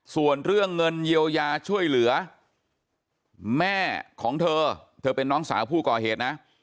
ส่วนเรื่องเงินเยียวยาช่วยเหลือแม่ของเธอเธอเป็นน้องสาวผู้ก่อเหตุนะ